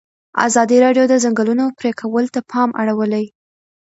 ازادي راډیو د د ځنګلونو پرېکول ته پام اړولی.